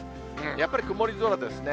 やっぱり曇り空ですね。